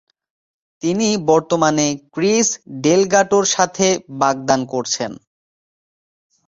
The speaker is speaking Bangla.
তিনি বর্তমানে ক্রিস ডেলগাটোর সাথে বাগদান করেছেন।